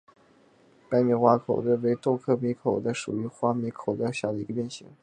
白花米口袋为豆科米口袋属少花米口袋下的一个变型。